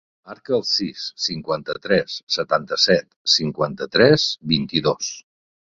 Marca el sis, cinquanta-tres, setanta-set, cinquanta-tres, vint-i-dos.